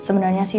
ya sebenarnya sih